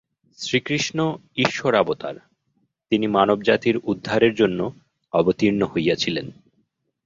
শ্রীকৃষ্ণ ঈশ্বরাবতার, তিনি মানবজাতির উদ্ধারের জন্য অবতীর্ণ হইয়াছিলেন।